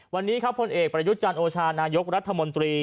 วันนี้ครับผลเอกประยุทธ์จันทร์โอชานายกรัฐมนตรี